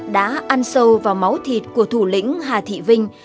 đã ăn sâu vào máu thịt của thủ lĩnh hà thị vinh